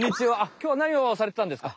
きょうはなにをされてたんですか？